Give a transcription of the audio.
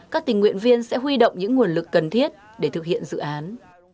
các tình nguyện viên sẽ huy động những nguồn lực cần thiết để thực hiện dự án